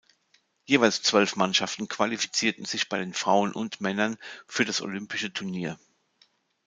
Jeweils zwölf Mannschaften qualifizierten sich bei den Frauen und Männern für das olympische Turnier.